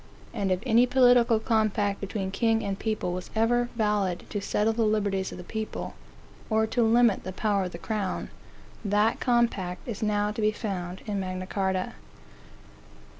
And if any political compact between king and people was ever valid to settle the liberties of the people, or to limit the power of the crown, that compact is now to be found in Magna Carta.